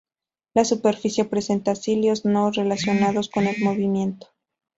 La superficie presenta cilios no relacionados con el movimiento.